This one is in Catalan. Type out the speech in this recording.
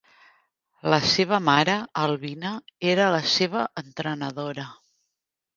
La seva mare, Albina, era la seva entrenadora.